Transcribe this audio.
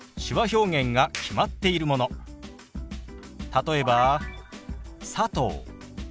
例えば「佐藤」。